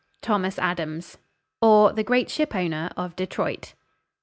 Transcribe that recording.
THOMAS ADAMS; OR, THE GREAT SHIPOWNER OF DETROIT.